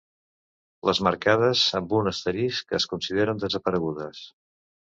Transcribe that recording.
Les marcades amb un asterisc es consideren desaparegudes.